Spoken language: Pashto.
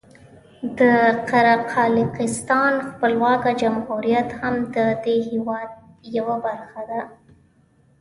د قره قالیاقستان خپلواکه جمهوریت هم د دې هېواد یوه برخه ده.